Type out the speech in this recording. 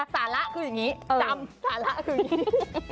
สาระคืออย่างนี้จำสาระคืออย่างนี้